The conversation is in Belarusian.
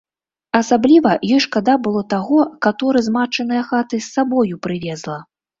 Асабліва ёй шкада было таго, каторы з матчынае хаты з сабою прывезла.